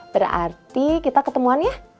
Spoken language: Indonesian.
berarti kita ketemuan ya